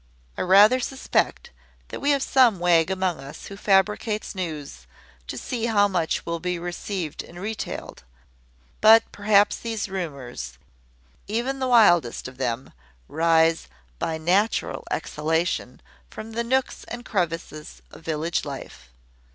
I rather suspect that we have some wag among us who fabricates news, to see how much will be received and retailed: but perhaps these rumours, even the wildest of them, rise `by natural exhalation' from the nooks and crevices of village life.